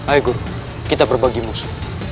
ayo kita berbagi musuh